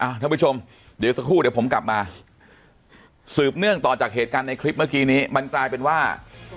ท่านผู้ชมเดี๋ยวสักครู่เดี๋ยวผมกลับมาสืบเนื่องต่อจากเหตุการณ์ในคลิปเมื่อกี้นี้มันกลายเป็นว่า